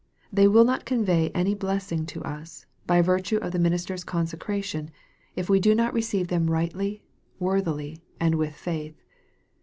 They will not convey any blessing to us, by virtue of the minister's consecration, if we d<? 808 EXPOSITORY THOUGHTS. not receive them rightly, worthily, and with faith.